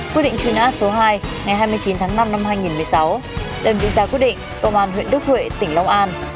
quyết định truy nã số hai ngày hai mươi chín tháng năm năm hai nghìn một mươi sáu đơn vị ra quyết định công an huyện đức huệ tỉnh long an